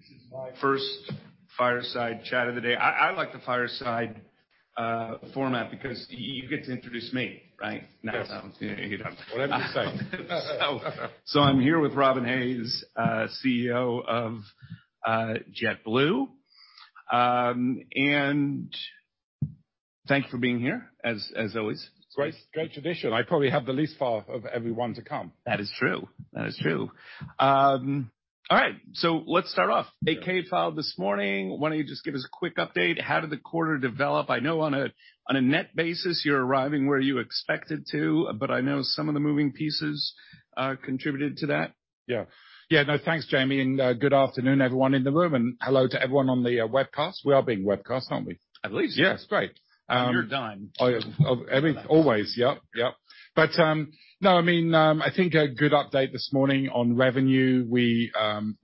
This is my first fireside chat of the day. I like the fireside format because you get to introduce me, right? Yes. No, you don't. Whatever you say. I'm here with Robin Hayes, CEO of JetBlue. Thank you for being here, as always. Great, great tradition. I probably have the least far of everyone to come. That is true. That is true. All right, let's start off. 8-K filed this morning. Why don't you just give us a quick update? How did the quarter develop? I know on a net basis, you're arriving where you expected to, but I know some of the moving pieces contributed to that. Yeah. Yeah, no, thanks, Jamie, and good afternoon, everyone in the room, and hello to everyone on the webcast. We are being webcast, aren't we? I believe so. Yes. Great. Your dime. I mean, always. Yep. No, I mean, I think a good update this morning on revenue. We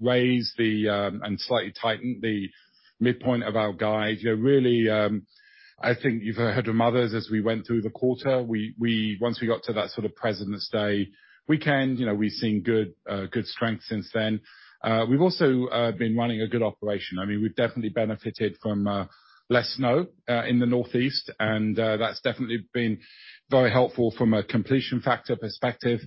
raised and slightly tightened the midpoint of our guide. You know, really, I think you've heard from others as we went through the quarter, once we got to that sort of Presidents' Day weekend, you know, we've seen good strength since then. We've also been running a good operation. I mean, we've definitely benefited from less snow in the Northeast and that's definitely been very helpful from a completion factor perspective.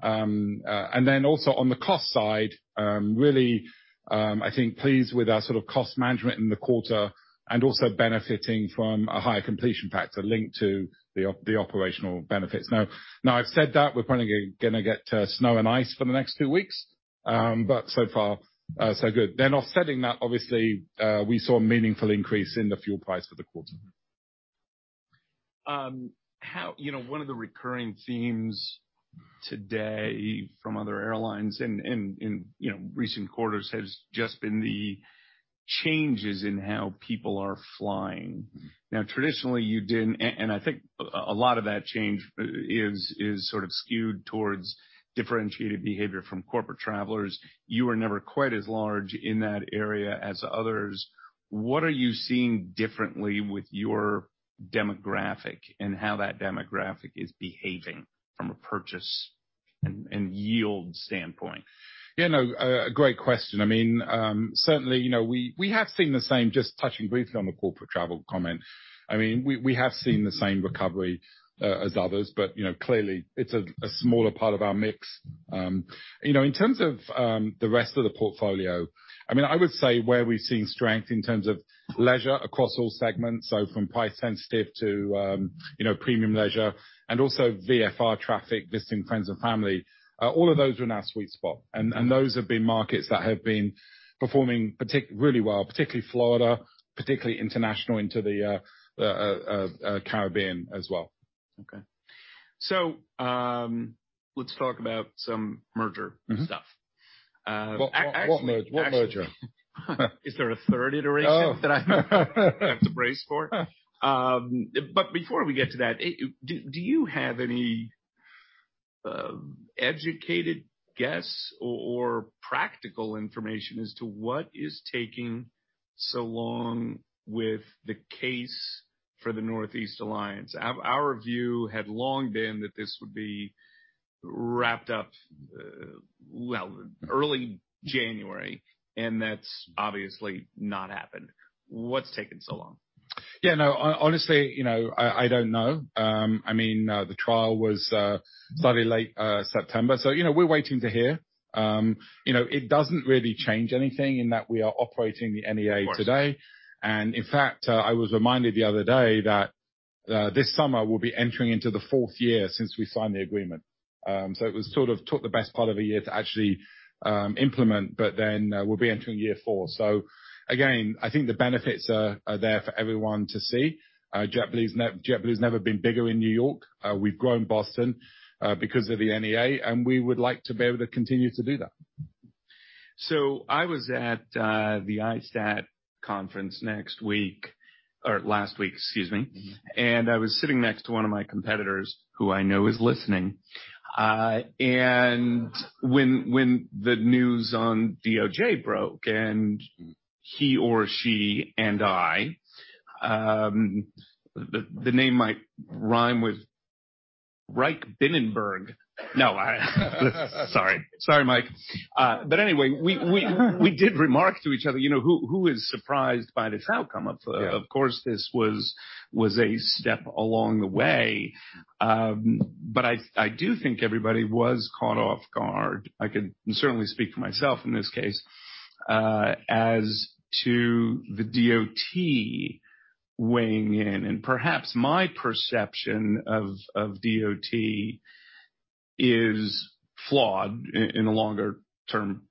And then also on the cost side, really, I think pleased with our sort of cost management in the quarter and also benefiting from a higher completion factor linked to the operational benefits. Now I've said that. We're probably gonna get snow and ice for the next two weeks. So far, so good. Offsetting that, obviously, we saw a meaningful increase in the fuel price for the quarter. You know, one of the recurring themes today from other airlines in, you know, recent quarters has just been the changes in how people are flying. Traditionally, you didn't, and I think a lot of that change is sort of skewed towards differentiated behavior from corporate travelers. You were never quite as large in that area as others. What are you seeing differently with your demographic and how that demographic is behaving from a purchase and yield standpoint? Yeah, no, great question. I mean, certainly, you know, we have seen the same, just touching briefly on the corporate travel comment. I mean, we have seen the same recovery as others, but, you know, clearly it's a smaller part of our mix. You know, in terms of the rest of the portfolio, I mean, I would say where we've seen strength in terms of leisure across all segments, so from price-sensitive to, you know, premium leisure and also VFR traffic, visiting friends and family, all of those are in our sweet spot. Those have been markets that have been performing really well, particularly Florida, particularly international into the Caribbean as well. Okay. Let's talk about some merger stuff. Actually. What merger? Is there a third iteration that I have to brace for? Before we get to that, do you have any educated guess or practical information as to what is taking so long with the case for the Northeast Alliance? Our view had long been that this would be wrapped up early January, and that's obviously not happened. What's taking so long? Yeah, no, honestly, you know, I don't know. I mean, the trial was fairly late September, you know, we're waiting to hear. You know, it doesn't really change anything in that we are operating the NEA today. Of course. In fact, I was reminded the other day that this summer we'll be entering into the fourth year since we signed the agreement. It was sort of took the best part of a year to actually implement. We'll be entering year four. Again, I think the benefits are there for everyone to see. JetBlue's never been bigger in New York. We've grown Boston because of the NEA, and we would like to be able to continue to do that. I was at the ISTAT conference last week, excuse me. I was sitting next to one of my competitors, who I know is listening. When the news on DOJ broke, he or she and I, the name might rhyme with Ryk Binnenberg. No, Sorry, Mike. Anyway, we did remark to each other, you know, "Who is surprised by this outcome?" Of course, this was a step along the way. I do think everybody was caught off guard. I can certainly speak for myself in this case, as to the DOT weighing in, and perhaps my perception of DOT is flawed in a longer-term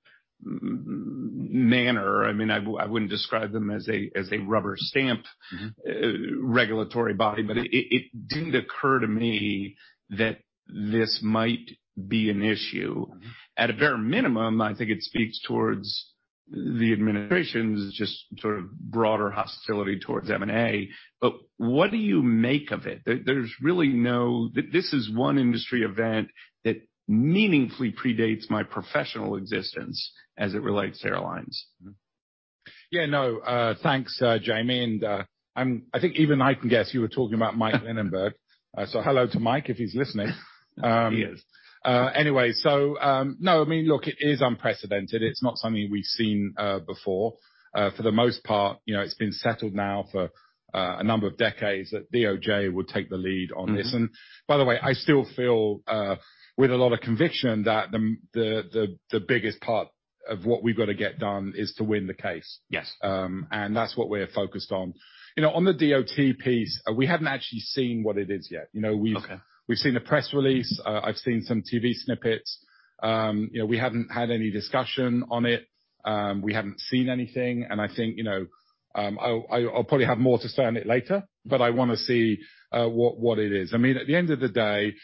manner. I mean, I wouldn't describe them as a rubber stamp regulatory body, but it didn't occur to me that this might be an issue. At a bare minimum, I think it speaks towards the administration's just sort of broader hostility towards M&A. What do you make of it? There's really no. This is one industry event that meaningfully predates my professional existence as it relates to airlines. Yeah, no. thanks, Jamie. I think even I can guess you were talking about Mike Linenberg. Hello to Mike, if he's listening. He is. I mean, look, it is unprecedented. It's not something we've seen before. For the most part, you know, it's been settled now for a number of decades that DOJ would take the lead on this. By the way, I still feel with a lot of conviction that the biggest part of what we've got to get done is to win the case. Yes. That's what we're focused on. You know, on the DOT piece, we haven't actually seen what it is yet. You know. Okay. We've seen a press release. I've seen some TV snippets. You know, we haven't had any discussion on it. We haven't seen anything. I think, you know, I'll probably have more to say on it later, but I wanna see what it is. I mean, at the end of the day,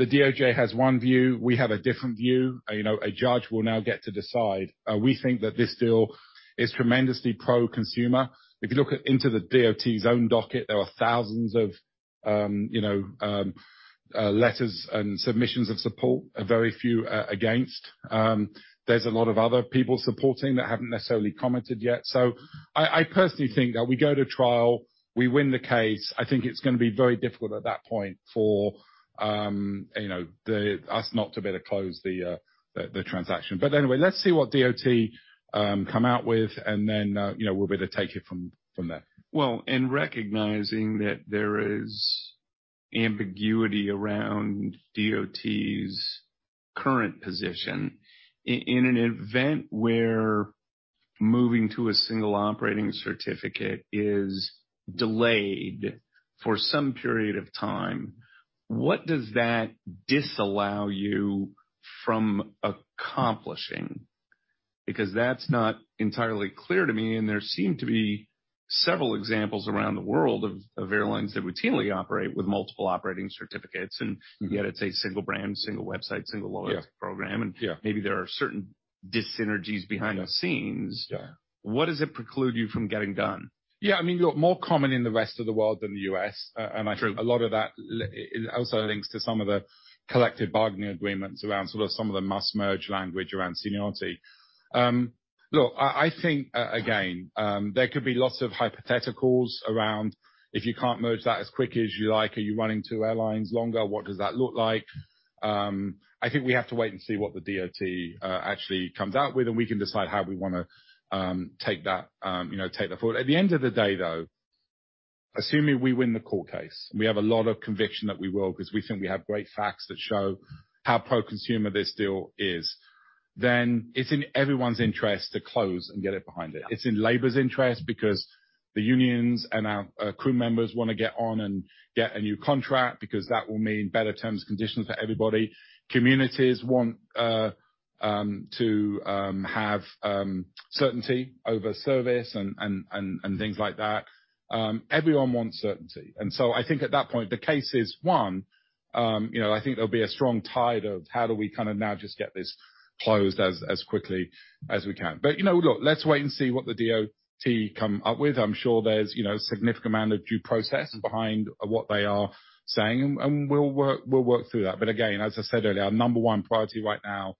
the DOJ has one view, we have a different view. You know, a judge will now get to decide. We think that this deal is tremendously pro-consumer. If you look at into the DOT's own docket, there are thousands of, you know, letters and submissions of support, a very few against. There's a lot of other people supporting that haven't necessarily commented yet. I personally think that we go to trial, we win the case. I think it's gonna be very difficult at that point for, you know, us not to be able to close the transaction. Anyway, let's see what DOT come out with, and then, you know, we'll be able to take it from there. Well, in recognizing that there is ambiguity around DOT's current position, in an event where moving to a single operating certificate is delayed for some period of time, what does that disallow you from accomplishing? Because that's not entirely clear to me, and there seem to be several examples around the world of airlines that routinely operate with multiple operating certificates. Yet it's a single brand, single website, single loyalty program maybe there are certain dyssynergies behind the scenes. What does it preclude you from getting done? Yeah, I mean, look, more common in the rest of the world than the U.S. I think a lot of that also links to some of the collective bargaining agreements around sort of some of the must-merge language around seniority. Look, I think again, there could be lots of hypotheticals around if you can't merge that as quick as you like. Are you running two airlines longer? What does that look like? I think we have to wait and see what the DOT actually comes out with, and we can decide how we wanna take that, you know, take that forward. At the end of the day, though, assuming we win the court case, we have a lot of conviction that we will because we think we have great facts that show how pro-consumer this deal is. It's in everyone's interest to close and get it behind it. It's in labor's interest because the unions and our crew members wanna get on and get a new contract because that will mean better terms and conditions for everybody. Communities want to have certainty over service and things like that. Everyone wants certainty. I think at that point, the case is one. You know, I think there'll be a strong tide of how do we kind of now just get this closed as quickly as we can. You know, look, let's wait and see what the DOT come up with. I'm sure there's, you know, significant amount of due process behind what they are saying, and we'll work through that. Again, as I said earlier, our number one priority right now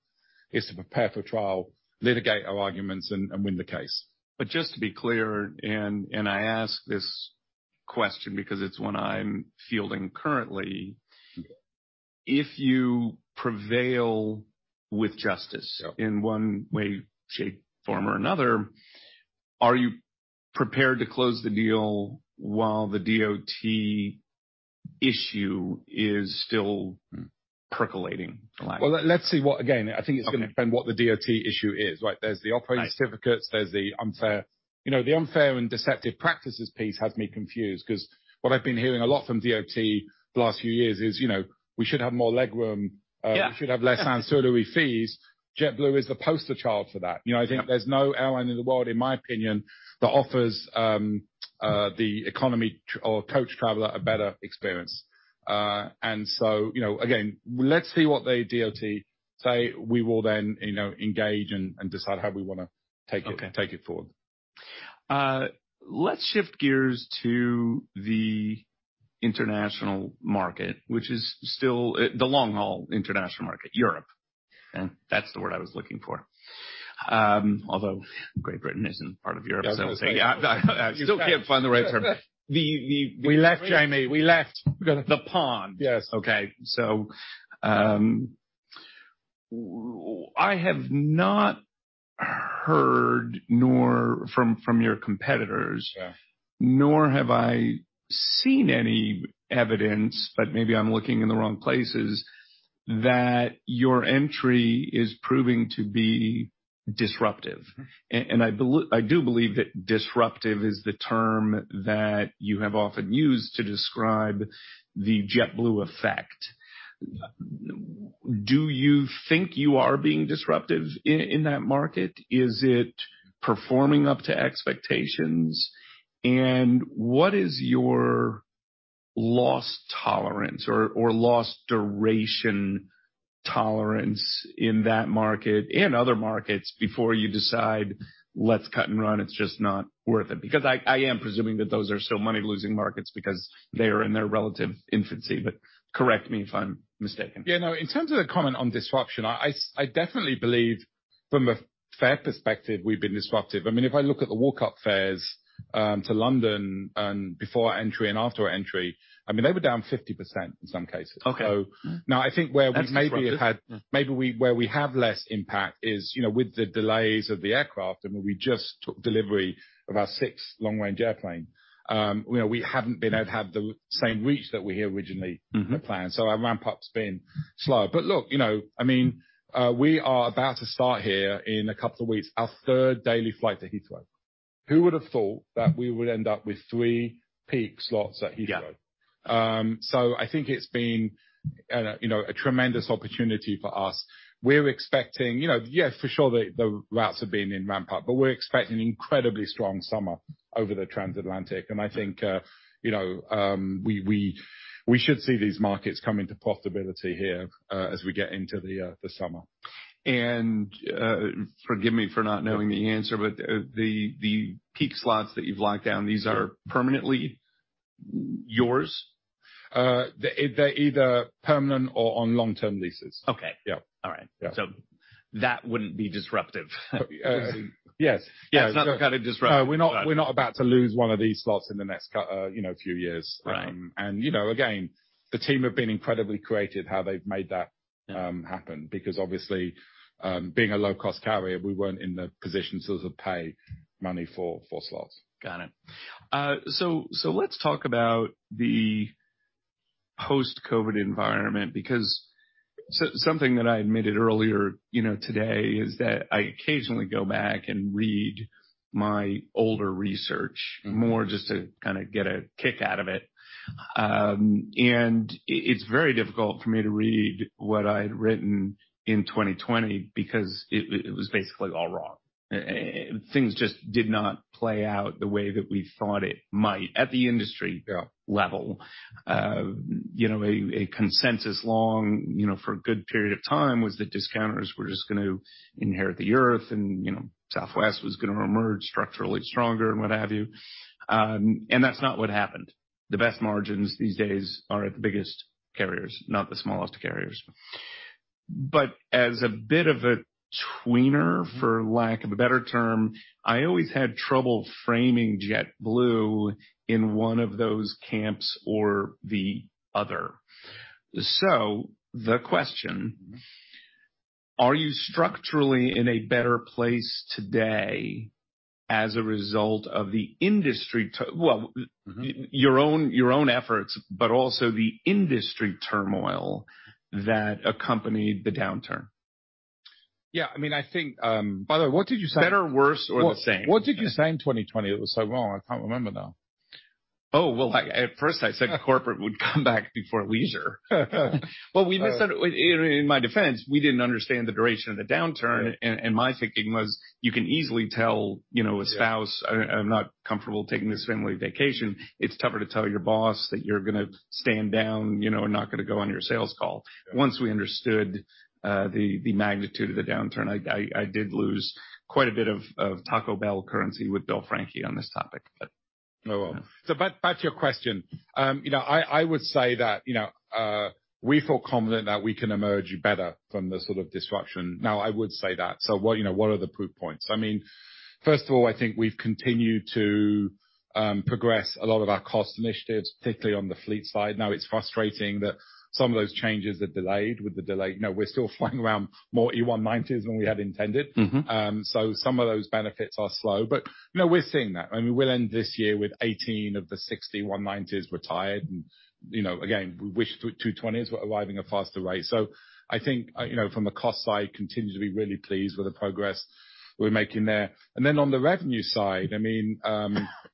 is to prepare for trial, litigate our arguments, and win the case. Just to be clear, and I ask this question because it's one I'm fielding currently. If you prevail with justice in one way, shape, form, or another, are you prepared to close the deal while the DOT issue is still percolating? Well, let's see. Again, I think it's gonna depend what the DOT issue is, right? There's the operating certificates. There's the unfair, you know, the unfair and deceptive practices piece has me confused 'cause what I've been hearing a lot from DOT the last few years is, you know, we should have more legroom, we should have less ancillary fees. JetBlue is the poster child for that. You know, I think there's no airline in the world, in my opinion, that offers the economy or coach traveler a better experience. You know, again, let's see what the DOT say. We will then, you know, engage and decide how we wanna take it, take it forward. Let's shift gears to the international market, which is still the long-haul international market, Europe. That's the word I was looking for. Although Great Britain isn't part of Europe, as I was saying. Still can't find the right term. We left, Jamie. We left. The pond. Okay. I have not heard nor from your competitors nor have I seen any evidence, but maybe I'm looking in the wrong places, that your entry is proving to be disruptive. I do believe that disruptive is the term that you have often used to describe the JetBlue effect. Do you think you are being disruptive in that market? Is it performing up to expectations? What is your loss tolerance or loss duration tolerance in that market and other markets before you decide, let's cut and run, it's just not worth it? I am presuming that those are still money-losing markets because they are in their relative infancy, correct me if I'm mistaken. Yeah, no. In terms of the comment on disruption, I definitely believe. From a fare perspective, we've been disruptive. I mean, if I look at the walk-up fares to London and before our entry and after our entry, I mean, they were down 50% in some cases. Okay. Now I think where we maybe have. That's disruptive. Maybe where we have less impact is, you know, with the delays of the aircraft. We just took delivery of our sixth long-range airplane. You know, we haven't been able to have the same reach that we had planned. Our ramp up's been slow. Look, you know, I mean, we are about to start here in a couple of weeks, our third daily flight to Heathrow. Who would have thought that we would end up with three peak slots at Heathrow? I think it's been, you know, a tremendous opportunity for us. We're expecting, you know, yeah, for sure, the routes have been in ramp up, but we're expecting an incredibly strong summer over the Transatlantic. I think, you know, we should see these markets come into profitability here as we get into the summer. Forgive me for not knowing the answer, but the peak slots that you've locked down, these are permanently yours? They're either permanent or on long-term leases. Okay. All right. That wouldn't be disruptive. Yes. Yeah, it's not the kind of disruption. No, we're not about to lose one of these slots in the next you know, few years. Right. You know, again, the team have been incredibly creative how they've made that happen, because obviously, being a low-cost carrier, we weren't in the position to sort of pay money for slots. Got it. Let's talk about the post-COVID environment because something that I admitted earlier, you know, today is that I occasionally go back and read my older research more just to kinda get a kick out of it. It's very difficult for me to read what I'd written in 2020 because it was basically all wrong. Things just did not play out the way that we thought it might at the industry level. You know, a consensus long, you know, for a good period of time was that discounters were just gonna inherit the earth and, you know, Southwest was gonna emerge structurally stronger and what have you. That's not what happened. The best margins these days are at the biggest carriers, not the smallest carriers. As a bit of a tweener, for lack of a better term, I always had trouble framing JetBlue in one of those camps or the other. The question: Are you structurally in a better place today as a result of the industry, your own efforts, but also the industry turmoil that accompanied the downturn? Yeah, I mean, I think, by the way, what did you say? Better, worse, or the same? What did you say in 2020 that was so wrong? I can't remember now. Oh, well, at first I said corporate would come back before leisure. Well, we missed it. In my defense, we didn't understand the duration of the downturn. My thinking was you can easily tell, you know. I'm not comfortable taking this family vacation." It's tougher to tell your boss that you're gonna stand down, you know, and not gonna go on your sales call. Once we understood the magnitude of the downturn, I did lose quite a bit of Taco Bell currency with Bill Franke on this topic, but. Oh, well. back to your question. you know, I would say that, you know, we feel confident that we can emerge better from the sort of disruption. I would say that. What, you know, what are the proof points? I mean, first of all, I think we've continued to progress a lot of our cost initiatives, particularly on the fleet side. It's frustrating that some of those changes are delayed with the delay. You know, we're still flying around more E190s than we had intended. Some of those benefits are slow. You know, we're seeing that. We will end this year with 18 of the 60 E190s retired. Again, we wish two A220s were arriving at faster rate. I think, you know, from a cost side, continue to be really pleased with the progress we're making there. Then on the revenue side, I mean,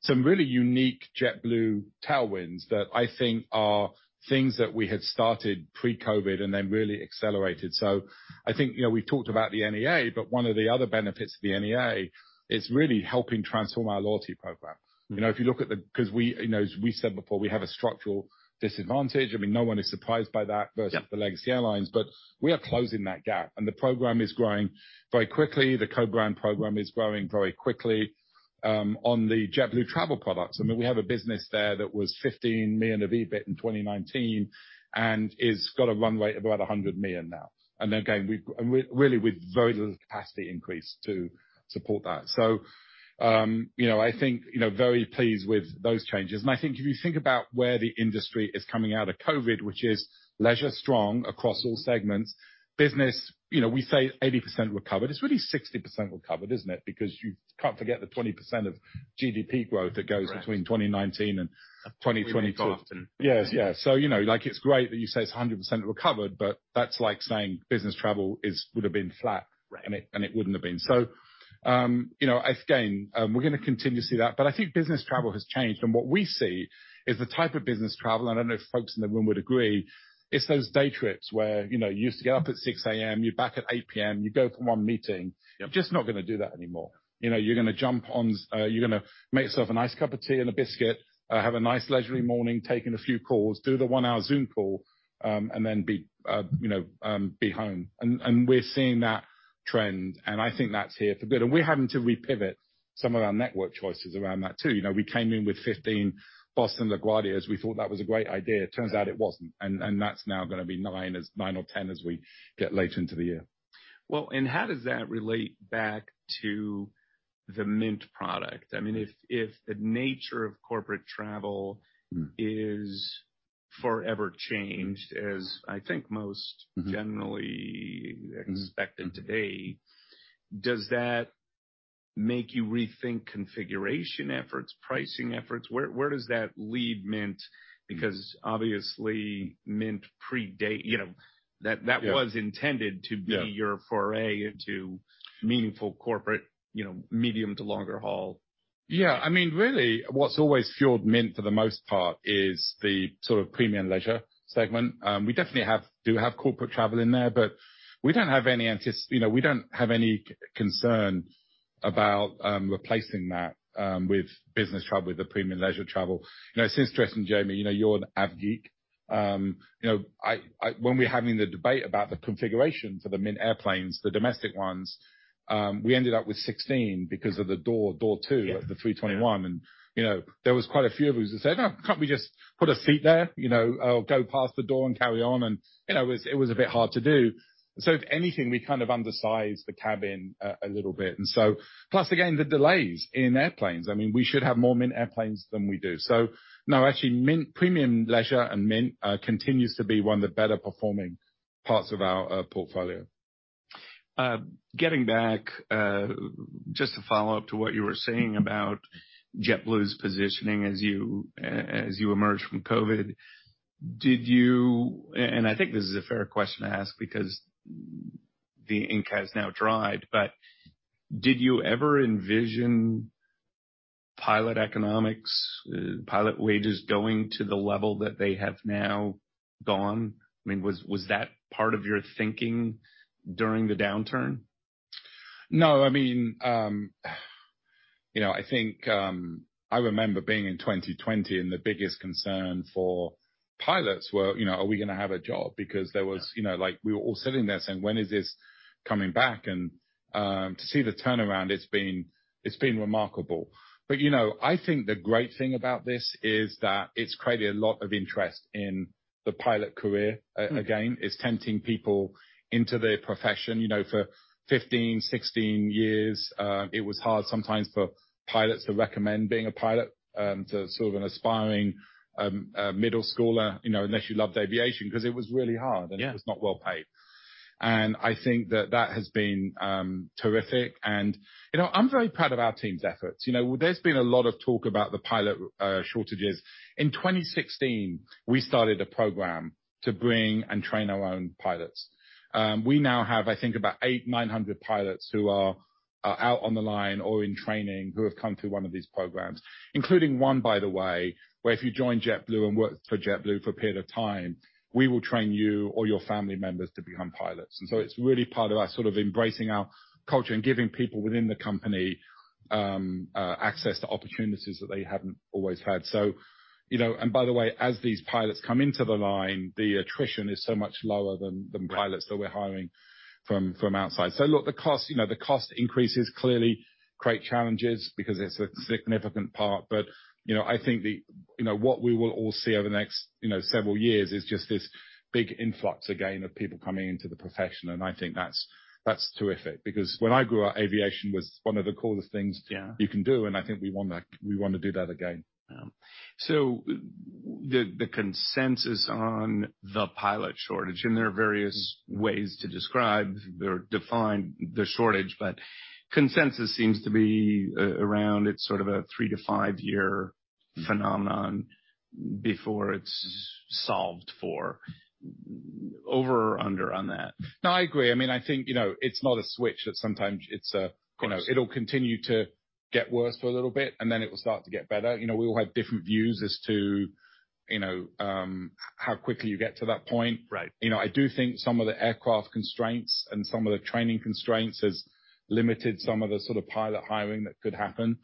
some really unique JetBlue tailwinds that I think are things that we had started pre-COVID and then really accelerated. I think, you know, we talked about the NEA, but one of the other benefits of the NEA is really helping transform our loyalty program. You know, if you look at the 'cause we, you know, as we said before, we have a structural disadvantage. I mean, no one is surprised by that versus. the legacy airlines, but we are closing that gap, and the program is growing very quickly. The co-brand program is growing very quickly, on the JetBlue Travel Products. I mean, we have a business there that was $15 million of EBIT in 2019 and is got a runway of about $100 million now. Again, we've really with very little capacity increase to support that. you know, I think, you know, very pleased with those changes. I think if you think about where the industry is coming out of COVID, which is leisure strong across all segments. Business, you know, we say 80% recovered. It's really 60% recovered, isn't it? Because you can't forget the 20% of GDP growth that goes between 2019 and 2022. We forgot. Yes, yes. You know, like, it's great that you say it's 100% recovered, but that's like saying business travel would have been flat. Right. It, and it wouldn't have been. You know, again, we're gonna continue to see that. I think business travel has changed. What we see is the type of business travel, I don't know if folks in the room would agree, it's those day trips where, you know, you used to get up at 6:00AM, you're back at 8:00PM, you go for one meeting. Just not gonna do that anymore. You know, you're gonna jump on, you're gonna make yourself a nice cup of tea and a biscuit, have a nice leisurely morning, take in a few calls, do the one-hour Zoom call, and then be, you know, be home. We're seeing that trend, and I think that's here for good. We're having to re-pivot some of our network choices around that, too. You know, we came in with 15 Boston LaGuardias. We thought that was a great idea. Turns out it wasn't. That's now gonna be nine or 10 as we get later into the year. Well, how does that relate back to the Mint product? I mean, if the nature of corporate travel is forever changed, as I think most generally expect it to be, does that make you rethink configuration efforts, pricing efforts? Where does that lead Mint? Because obviously Mint predate, you know, that was intended to be your foray into meaningful corporate, you know, medium to longer haul. Yeah. I mean, really what's always fueled Mint for the most part is the sort of premium leisure segment. We definitely do have corporate travel in there, but we don't have any, you know, we don't have any concern about replacing that with business travel, with the premium leisure travel. You know, it's interesting, Jamie, you know, you're an av geek. You know, I when we were having the debate about the configuration for the Mint airplanes, the domestic ones, we ended up with 16 because of the door two. Of the A321. You know, there was quite a few of us who said, "Oh, can't we just put a seat there? You know, or go past the door and carry on?" You know, it was, it was a bit hard to do. If anything, we kind of undersized the cabin a little bit. Plus again, the delays in airplanes. I mean, we should have more Mint airplanes than we do. No, actually, Mint, premium leisure and Mint continues to be one of the better performing parts of our portfolio. Getting back, just to follow up to what you were saying about JetBlue's positioning as you emerge from COVID. I think this is a fair question to ask because the ink has now dried, but did you ever envision pilot economics, pilot wages going to the level that they have now gone? I mean, was that part of your thinking during the downturn? No. I mean, you know, I think, I remember being in 2020. The biggest concern for pilots were, you know, are we gonna have a job? You know, like, we were all sitting there saying, "When is this coming back?" To see the turnaround, it's been remarkable. You know, I think the great thing about this is that it's created a lot of interest in the pilot career. Again, it's tempting people into the profession. You know, for 15, 16 years, it was hard sometimes for pilots to recommend being a pilot, to sort of an aspiring middle schooler, you know, unless you loved aviation, because it was really hard. It was not well-paid. I think that that has been terrific. You know, I'm very proud of our team's efforts. You know, there's been a lot of talk about the pilot shortages. In 2016, we started a program to bring and train our own pilots. We now have, I think, about 800, 900 pilots who are out on the line or in training who have come through one of these programs, including one, by the way, where if you join JetBlue and work for JetBlue for a period of time, we will train you or your family members to become pilots. It's really part of our sort of embracing our culture and giving people within the company access to opportunities that they haven't always had. You know, and by the way, as these pilots come into the line, the attrition is so much lower than pilots that we're hiring from outside. Look, the cost, you know, the cost increases clearly create challenges because it's a significant part. You know, I think the, you know, what we will all see over the next, you know, several years is just this big influx again of people coming into the profession. I think that's terrific, because when I grew up, aviation was one of the coolest things you can do, and I think we wanna, we wanna do that again. The consensus on the pilot shortage, and there are various ways to describe or define the shortage, but consensus seems to be around it's sort of a three-to-five-year phenomenon before it's solved for. Over or under on that? No, I agree. I mean, I think, you know, it's not a switch that sometimes it's. Of course. You know, it'll continue to get worse for a little bit, then it will start to get better. You know, we all have different views as to, you know, how quickly you get to that point. You know, I do think some of the aircraft constraints and some of the training constraints has limited some of the sort of pilot hiring that could happen.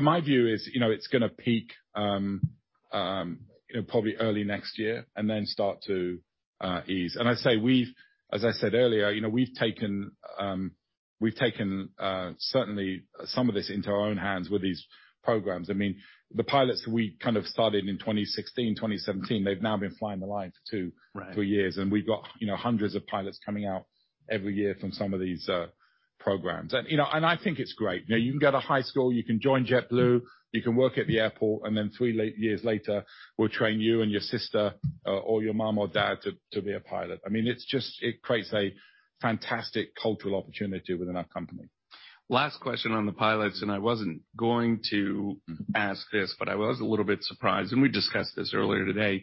My view is, you know, it's gonna peak, you know, probably early next year and then start to ease. I say we've, as I said earlier, you know, we've taken certainly some of this into our own hands with these programs. I mean, the pilots we kind of started in 2016, 2017, they've now been flying the line for two, three years. We've got, you know, hundreds of pilots coming out every year from some of these programs. You know, and I think it's great. You know, you can go to high school, you can join JetBlue, you can work at the airport, and then three years later, we'll train you and your sister or your mom or dad to be a pilot. I mean, it's just, it creates a fantastic cultural opportunity within our company. Last question on the pilots, and I wasn't going to ask this, but I was a little bit surprised, and we discussed this earlier today.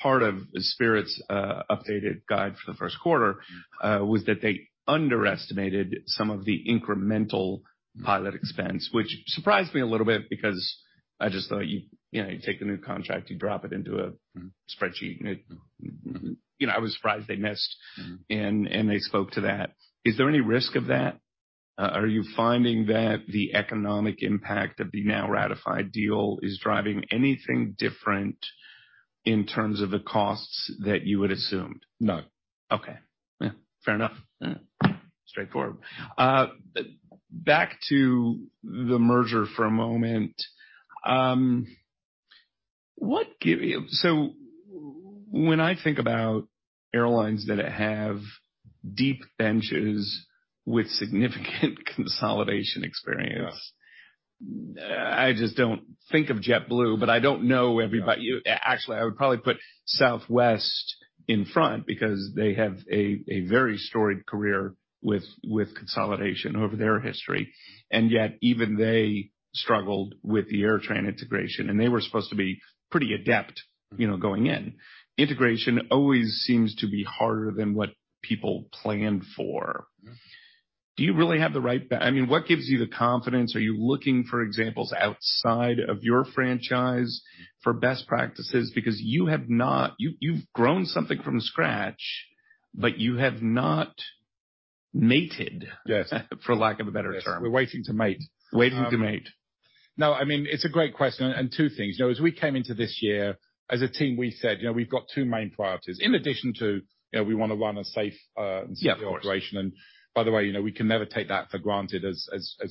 Part of Spirit's updated guide for the first quarter was that they underestimated some of the incremental pilot expense, which surprised me a little bit because I just thought you know, you take the new contract, you drop it into a spreadsheet. It, you know, I was surprised they missed. They spoke to that. Is there any risk of that? Are you finding that the economic impact of the now ratified deal is driving anything different in terms of the costs that you had assumed? No. Okay. Yeah, fair enough. Straightforward. Back to the merger for a moment. When I think about airlines that have deep benches with significant consolidation experience. I just don't think of JetBlue, but I don't know everybody. Actually, I would probably put Southwest in front because they have a very storied career with consolidation over their history. Yet, even they struggled with the AirTran integration, and they were supposed to be pretty adept, you know, going in. Integration always seems to be harder than what people plan for. I mean, what gives you the confidence? Are you looking for examples outside of your franchise for best practices? You have not. You've grown something from scratch, but you have not mated. Yes. For lack of a better term. Yes. We're waiting to mate. Waiting to mate. No, I mean, it's a great question, and two things. You know, as we came into this year, as a team, we said, you know, we've got two main priorities. In addition to, you know, we wanna run a safe. Yeah, of course. Secure operation. By the way, you know, we can never take that for granted, as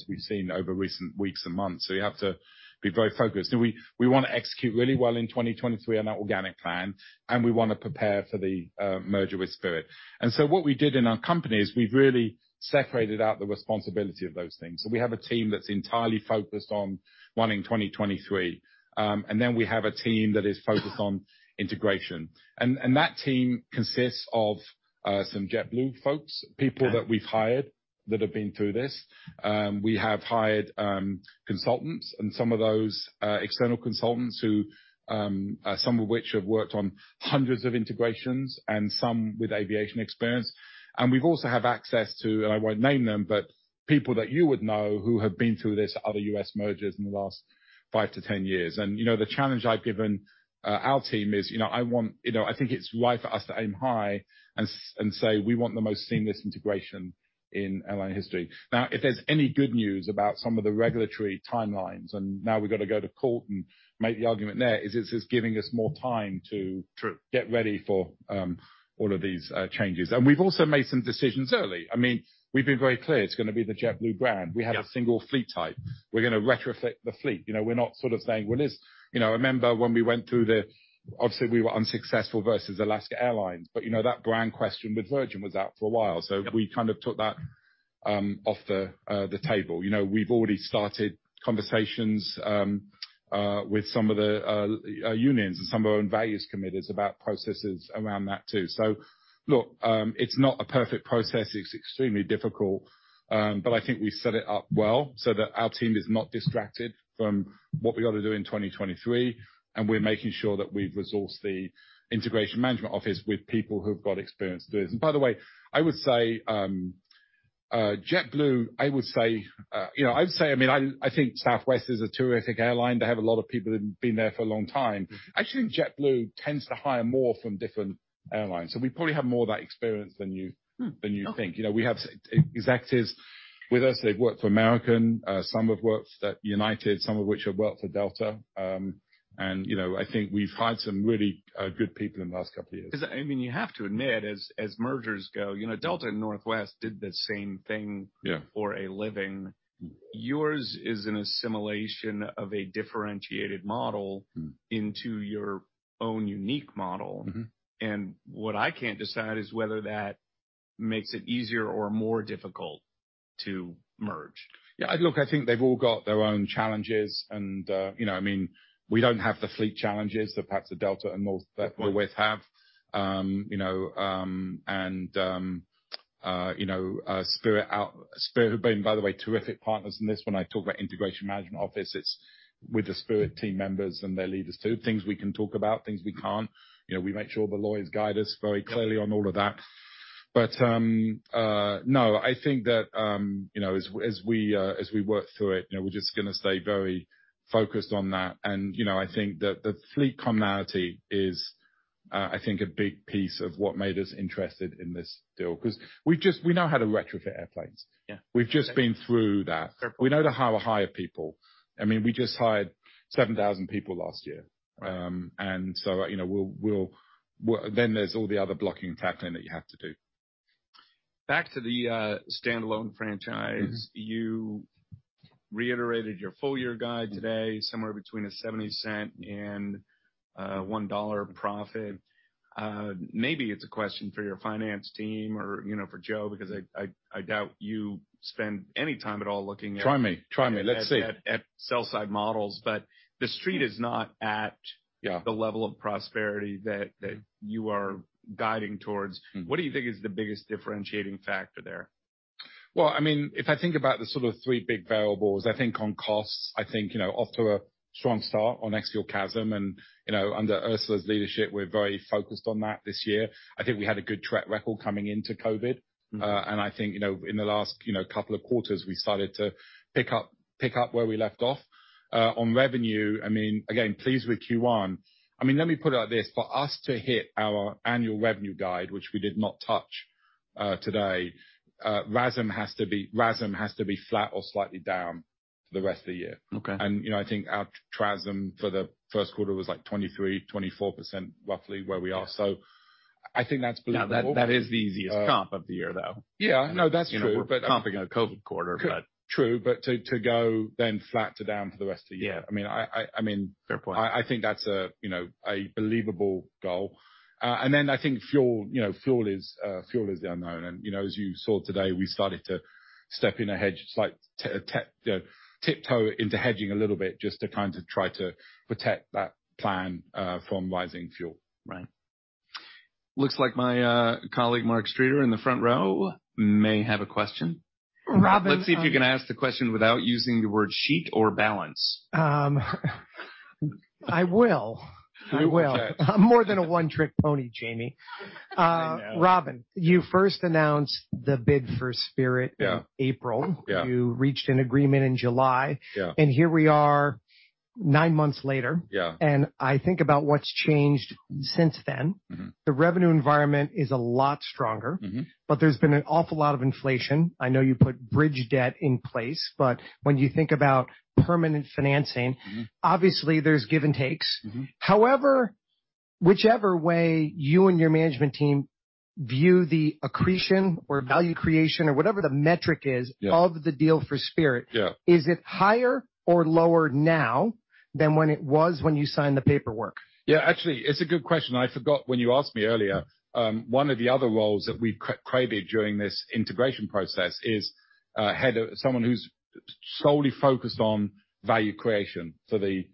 we've seen over recent weeks and months. You have to be very focused. We wanna execute really well in 2023 on our organic plan, and we wanna prepare for the merger with Spirit. What we did in our company is we've really separated out the responsibility of those things. We have a team that's entirely focused on running 2023. We have a team that is focused on integration. That team consists of some JetBlue folks. Okay. People that we've hired that have been through this. We have hired consultants and some of those external consultants who, some of which have worked on hundreds of integrations and some with aviation experience. We've also have access to, and I won't name them, but people that you would know who have been through this, other U.S. mergers in the last five to 10 years. You know, the challenge I've given our team is, you know, I want. You know, I think it's right for us to aim high and say, we want the most seamless integration in airline history. If there's any good news about some of the regulatory timelines and now we've gotta go to court and make the argument there, is this is giving us more time to. True. Get ready for, all of these, changes. We've also made some decisions early. I mean, we've been very clear it's gonna be the JetBlue brand. We have a single fleet type. We're gonna retrofit the fleet. You know, we're not sort of saying, well, let's, you know, remember when we went through the, obviously, we were unsuccessful versus Alaska Airlines, but, you know, that brand question with Virgin was out for a while. We kind of took that off the table. You know, we've already started conversations with some of the unions and some of our own values committees about processes around that too. Look, it's not a perfect process. It's extremely difficult, but I think we set it up well so that our team is not distracted from what we gotta do in 2023, and we're making sure that we've resourced the integration management office with people who've got experience doing this. By the way, I would say JetBlue, I would say, you know, I would say, I mean, I think Southwest is a terrific airline. They have a lot of people that have been there for a long time. I actually think JetBlue tends to hire more from different airlines, so we probably have more of that experience than you, than you think. You know, we have executives with us, they've worked for American, some have worked at United, some of which have worked for Delta. you know, I think we've hired some really, good people in the last couple of years. 'Cause I mean, you have to admit, as mergers go, you know, Delta and Northwest did the same thing for a living. Yours is an assimilation of a differentiated model into your own unique model. What I can't decide is whether that makes it easier or more difficult to merge. Yeah, look, I think they've all got their own challenges, you know, I mean, we don't have the fleet challenges that perhaps a Delta and Northwest have. You know, Spirit have been, by the way, terrific partners in this. When I talk about integration management office, it's with the Spirit team members and their leaders too. Things we can talk about, things we can't. You know, we make sure the lawyers guide us very clearly on all of that. No, I think that, you know, as we work through it, you know, we're just gonna stay very focused on that. You know, I think that the fleet commonality is, I think a big piece of what made us interested in this deal. 'Cause we've we know how to retrofit airplanes. We've just been through that. Fair point. We know how to hire people. I mean, we just hired 7,000 people last year. you know, Then there's all the other blocking and tackling that you have to do. Back to the standalone franchise. You reiterated your full year guide today, somewhere between a $0.70 and $1 profit. Maybe it's a question for your finance team or, you know, for Joe, because I, I doubt you spend any time at all looking at. Try me. Try me. Let's see. At sell side models. The Street is not. The level of prosperity that you are guiding towards. What do you think is the biggest differentiating factor there? Well, I mean, if I think about the sort of three big variables, I think on costs, I think, you know, off to a strong start on ex-fuel CASM and, you know, under Ursula's leadership, we're very focused on that this year. I think we had a good track record coming into COVID. I think, you know, in the last, you know, couple of quarters, we started to pick up where we left off. On revenue, I mean, again, pleased with Q1. I mean, let me put it like this. For us to hit our annual revenue guide, which we did not touch today, RASM has to be flat or slightly down for the rest of the year. Okay. You know, I think our TRASM for the first quarter was, like, 23% to 24%, roughly where we are. I think that's believable. That is the easiest comp of the year, though. Yeah. No, that's true. You know, we're comping a COVID quarter. True. To go then flat to down for the rest of the year. I mean, I mean. Fair point. I think that's a, you know, a believable goal. I think fuel, you know, fuel is the unknown. You know, as you saw today, we started to step in a hedge, slight tiptoe into hedging a little bit just to kind of try to protect that plan from rising fuel. Right. Looks like my colleague, Mark Streeter, in the front row may have a question. Let's see if you can ask the question without using the word sheet or balance. I will. Okay. I'm more than a one-trick pony, Jamie. I know. Robin, you first announced the bid for Spirit in April. You reached an agreement in July. Here we are nine months later. I think about what's changed since then. The revenue environment is a lot stronger. There's been an awful lot of inflation. I know you put bridge debt in place, but when you think about permanent financing. Obviously there's give and takes. Whichever way you and your management team view the accretion or value creation or whatever the metric is of the deal for Spirit. Is it higher or lower now than when it was when you signed the paperwork? Yeah. Actually, it's a good question. I forgot when you asked me earlier. One of the other roles that we've created during this integration process is head of someone who's solely focused on value creation for the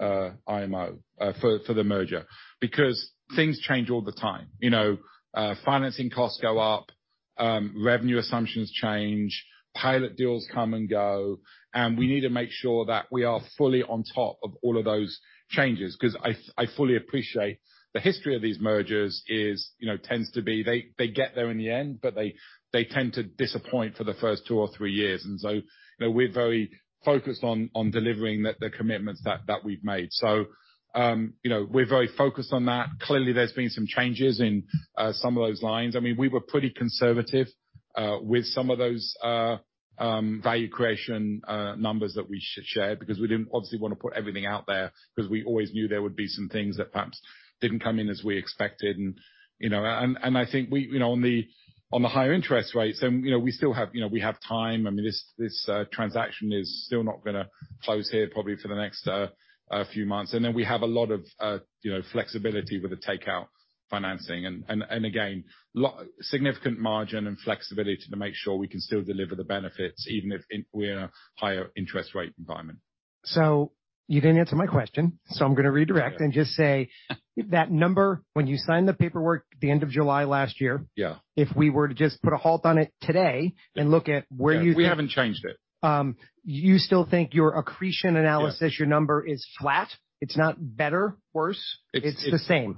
IMO, for the merger, because things change all the time. You know, financing costs go up, revenue assumptions change, pilot deals come and go, and we need to make sure that we are fully on top of all of those changes. Because I fully appreciate the history of these mergers is, you know, tends to be they get there in the end, but they tend to disappoint for the first two or three years. You know, we're very focused on delivering the commitments that we've made. You know, we're very focused on that. Clearly, there's been some changes in some of those lines. I mean, we were pretty conservative with some of those value creation numbers that we shared, because we didn't obviously wanna put everything out there 'cause we always knew there would be some things that perhaps didn't come in as we expected. You know, I think we, you know, on the higher interest rates, you know, we still have, you know, we have time. I mean, this transaction is still not gonna close here probably for the next few months. Then we have a lot of, you know, flexibility with the takeout financing and again, significant margin and flexibility to make sure we can still deliver the benefits, even if we're in a higher interest rate environment. You didn't answer my question, so I'm gonna redirect and just say that number when you signed the paperwork at the end of July last year, if we were to just put a halt on it today and look at where you. Yeah, we haven't changed it. You still think your accretion analysis? Your number is flat? It's not better, worse? It's the same.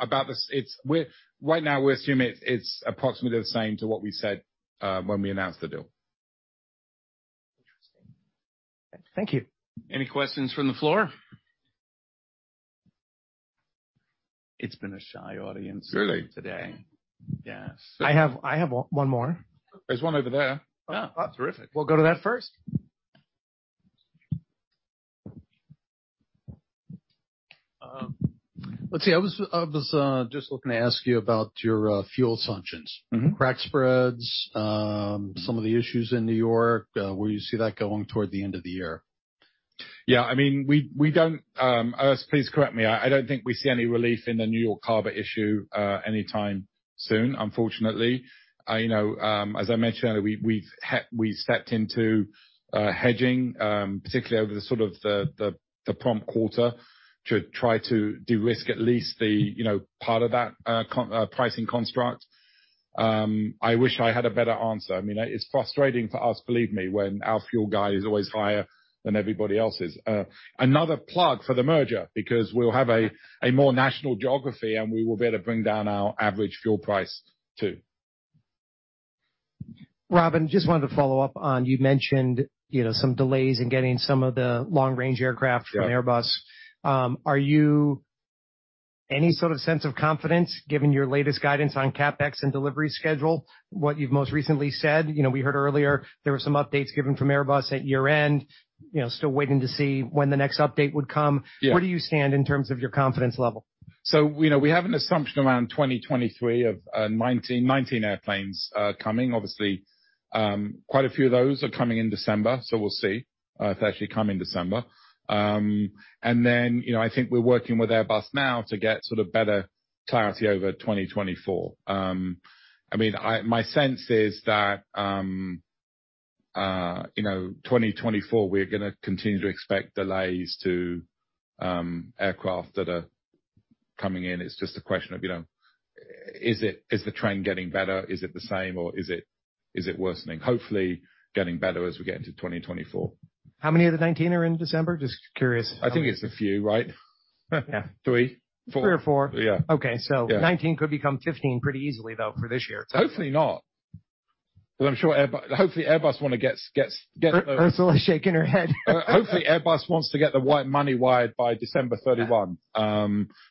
Right now we assume it's approximately the same to what we said when we announced the deal. Interesting. Thank you. Any questions from the floor? It's been a shy audience. Really? Today. Yes. I have one more. There's one over there. Oh, that's terrific. We'll go to that first. Let's see. I was just looking to ask you about your fuel assumptions. Crack spreads, some of the issues in New York, where you see that going toward the end of the year? I mean, we don't, Ursula, please correct me. I don't think we see any relief in the New York Harbor issue anytime soon, unfortunately. You know, as I mentioned earlier, we stepped into hedging particularly over the sort of the prompt quarter to try to de-risk at least the, you know, part of that pricing construct. I wish I had a better answer. I mean, it's frustrating for us, believe me, when our fuel guide is always higher than everybody else's. Another plug for the merger, because we'll have a more national geography, and we will be able to bring down our average fuel price too. Robin, just wanted to follow up on, you mentioned, you know, some delays in getting some of the long-range aircraft. From Airbus. Are you any sort of sense of confidence given your latest guidance on CapEx and delivery schedule? What you've most recently said, you know, we heard earlier there were some updates given from Airbus at year-end, you know, still waiting to see when the next update would come. Where do you stand in terms of your confidence level? You know, we have an assumption around 2023 of 19 airplanes coming. Obviously, quite a few of those are coming in December, so we'll see if they actually come in December. Then, you know, I think we're working with Airbus now to get sort of better clarity over 2024. I mean, my sense is that, you know, 2024, we're gonna continue to expect delays to aircraft that are coming in. It's just a question of, you know, is the trend getting better? Is it the same or is it worsening? Hopefully, getting better as we get into 2024. How many of the 19 are in December? Just curious. I think it's a few, right? three? four? Three or four. Okay. 19 could become 15 pretty easily, though, for this year. Hopefully not. I'm sure hopefully Airbus wanna gets. Ursula is shaking her head. Hopefully, Airbus wants to get the money wired by December 31.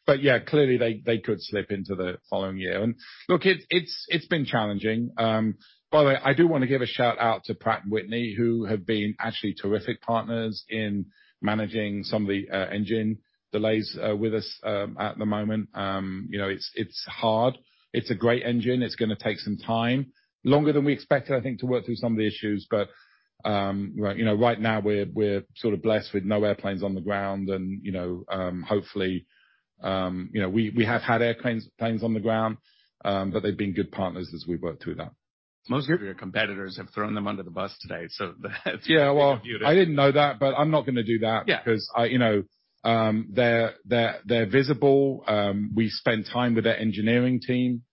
Yeah, clearly they could slip into the following year. Look, it's, it's been challenging. By the way, I do wanna give a shout-out to Pratt & Whitney, who have been actually terrific partners in managing some of the engine delays with us at the moment. You know, it's hard. It's a great engine. It's gonna take some time. Longer than we expected, I think, to work through some of the issues. You know, right now we're sort of blessed with no airplanes on the ground and, you know, hopefully, you know, we have had airplanes, planes on the ground, but they've been good partners as we work through that. Most of your competitors have thrown them under the bus today. Yeah. Well, I didn't know that, but I'm not gonna do that. Because I, you know, they're visible. We spend time with their engineering team,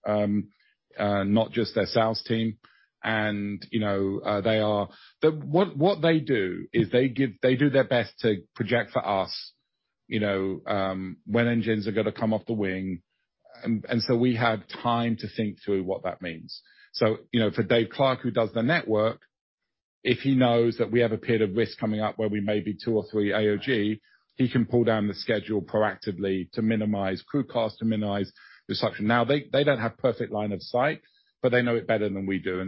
not just their sales team. You know, what they do is they do their best to project for us, you know, when engines are gonna come off the wing. We have time to think through what that means. You know, for Dave Clark, who does the network, if he knows that we have a period of risk coming up where we may be two or three AOG, he can pull down the schedule proactively to minimize crew costs, to minimize disruption. Now, they don't have perfect line of sight, but they know it better than we do.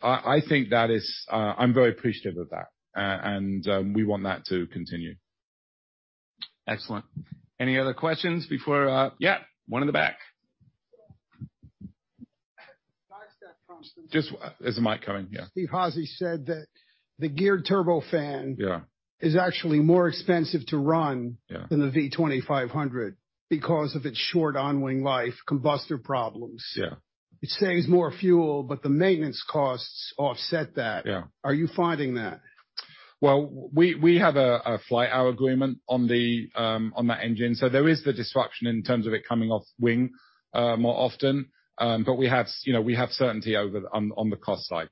I think that is, I'm very appreciative of that. We want that to continue. Excellent. Any other questions before? Yeah, one in the back. Sidestep. There's a mic coming. Yeah. Steven Udvar-Házy said that the Geared Turbofan is actually more expensive to run than the V2500 because of its short on-wing life, combustor problems. It saves more fuel, but the maintenance costs offset that. Are you finding that? We have a flight hour agreement on the on that engine, so there is the disruption in terms of it coming off wing more often. We have, you know, we have certainty over on the cost side.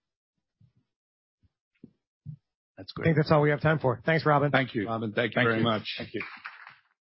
That's great. I think that's all we have time for. Thanks, Robin. Thank you. Robin, thank you very much. Thank you.